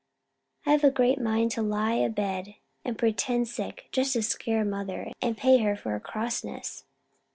I've a great mind to lie a bed and pretend sick; just to scare mother and pay her off for her crossness."